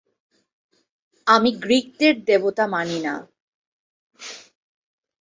আমি গ্রীকদের দেবতা মানি না।